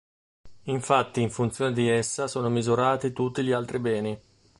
Infatti in funzione di essa sono misurati tutti gli altri beni.